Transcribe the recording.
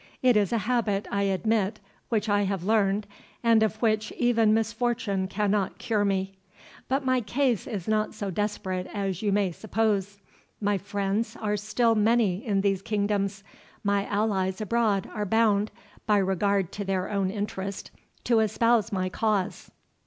It is a habit, I admit, which I have learned, and of which even misfortune cannot cure me. But my case is not so desperate as you may suppose. My friends are still many in these kingdoms; my allies abroad are bound, by regard to their own interest, to espouse my cause.